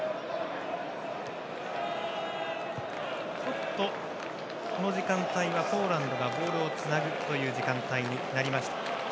ちょっとこの時間帯はポーランドがボールをつなぐ時間帯になりました。